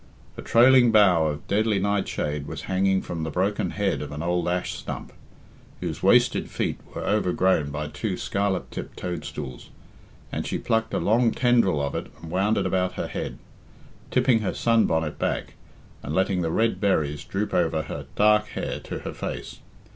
A trailing bough of deadly nightshade was hanging from the broken head of an old ash stump, whose wasted feet were overgrown by two scarlet tipped toadstools, and she plucked a long tendril of it and wound it about her head, tipping her sun bonnet back, and letting the red berries droop over her dark hair to her face.